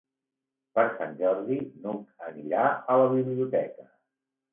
Per Sant Jordi n'Hug anirà a la biblioteca.